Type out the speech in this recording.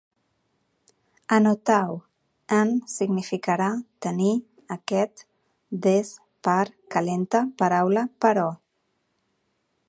Anotau: en, significarà, tenir, aquest, des, per, calenta, paraula, però